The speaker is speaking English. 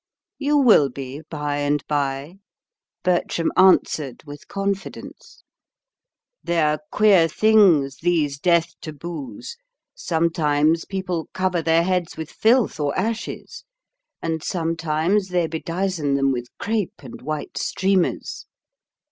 "You will be by and by," Bertram answered, with confidence. "They're queer things, these death taboos. Sometimes people cover their heads with filth or ashes; and sometimes they bedizen them with crape and white streamers.